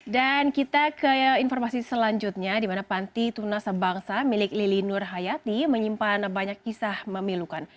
dan kita ke informasi selanjutnya di mana panti tunas bangsa milik lili nur hayati menyimpan banyak kisah memilukan